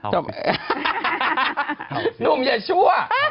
หนุ่มอย่าชั่ว